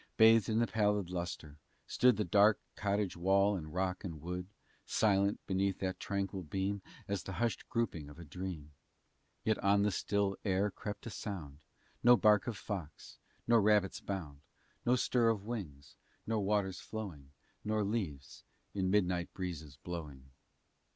Bathed in the pallid lustre, stood Dark cottage wall and rock and wood, Silent, beneath that tranquil beam, As the hushed grouping of a dream. Yet on the still air crept a sound, No bark of fox, nor rabbit's bound, No stir of wings, nor waters flowing, Nor leaves in midnight breezes blowing.